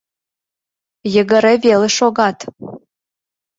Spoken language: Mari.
Йыгыре веле шогат.